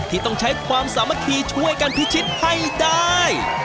ที่ต้องใช้ความสามัคคีช่วยกันพิชิตให้ได้